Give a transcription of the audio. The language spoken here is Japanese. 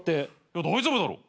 いや大丈夫だろ。